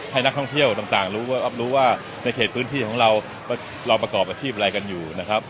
ให้นักท่องเที่ยวต่างรู้ว่ารับรู้ว่าในเขตพื้นที่ของเราเราประกอบอาชีพอะไรกันอยู่นะครับ